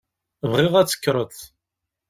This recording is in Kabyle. Bɣiɣ ad tekkreḍ.